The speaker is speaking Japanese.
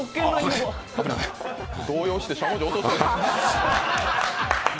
動揺して、しゃもじを落としたやん。